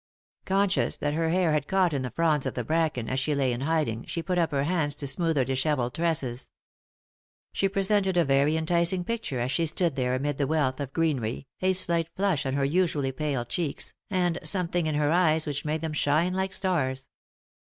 Conscious that her hair bad caught in the fronds of the bracken, as she lay in hiding, she put up her hands to smooth her dis hevelled tresses. She presented a very enticing picture as she stood there amid the wealth of greenery , a slight flush on her usually pale cheeks, and some thing in her eyes which made them shine like stars.